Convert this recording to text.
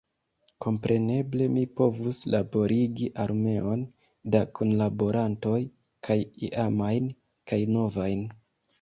Kompreneble mi povus laborigi armeon da kunlaborantoj, kaj iamajn kaj novajn.